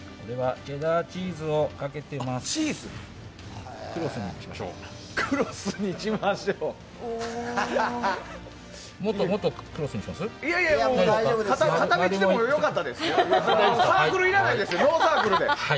チェダーチーズをかけました。